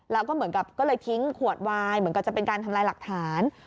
แล้วก็เหมือนกับก็เลยทิ้งขวดวายเหมือนกับจะเป็นการทำลายหลักฐาน